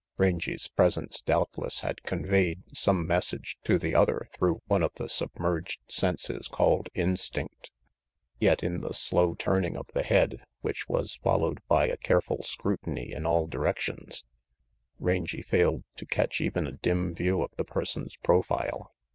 Rangy's presence doubtless had con veyed some message to the other through one of the submerged senses called instinct. Yet in the slow turning of the head which was followed by a careful scrutiny in all directions, Rangy failed to catch even a dim view of the person's profile.